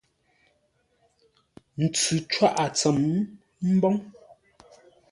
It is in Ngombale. Ntsʉ cwáʼa tsəm mboŋ.